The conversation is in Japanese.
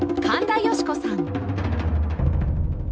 神田佳子さん